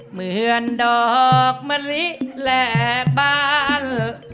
เหมือนดอกมะลิและบ้าน